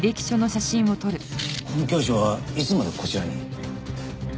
この教師はいつまでこちらに？